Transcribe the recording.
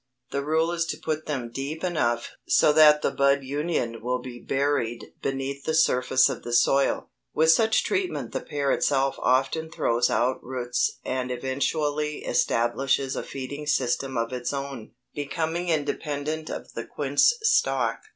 The rule is to put them deep enough so that the bud union will be buried beneath the surface of the soil. With such treatment the pear itself often throws out roots and eventually establishes a feeding system of its own, becoming independent of the quince stock.